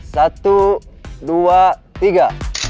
satu dua tiga